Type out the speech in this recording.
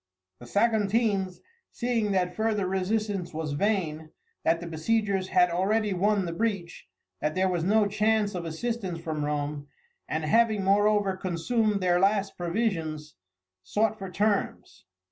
The Saguntines, seeing that further resistance was vain, that the besiegers had already won the breach, that there was no chance of assistance from Rome, and having, moreover, consumed their last provisions, sought for terms.